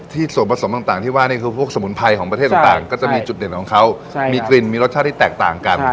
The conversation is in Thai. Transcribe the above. ส่วนผสมต่างที่ว่านี่คือพวกสมุนไพรของประเทศต่างก็จะมีจุดเด่นของเขามีกลิ่นมีรสชาติที่แตกต่างกัน